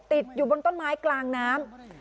ติดอยู่บนต้นไม้กลางน้ำ